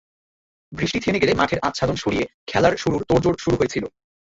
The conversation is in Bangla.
বৃষ্টি থেমে গেলে মাঠের আচ্ছাদন সরিয়ে খেলার শুরুর তোড়জোড় শুরু হয়েছিল।